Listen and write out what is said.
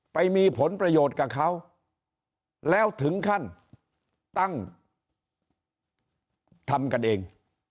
ไปมีผลประโยชน์กับเขาแล้วถึงขั้นตั้งทำกันเอง